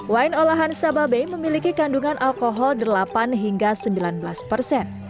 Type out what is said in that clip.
wine olahan sababe memiliki kandungan alkohol delapan hingga sembilan belas persen